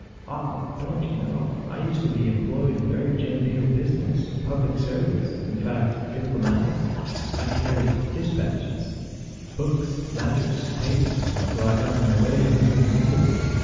" Aw ! don t you know ? I used to be employed in very genteel business ; public service, in fact, diplomatic. I carried dispatches (weegadigunn, Mic mac ; wighiggin, Pass.) books, letters, papers, and so I got in the way of moving nimbly.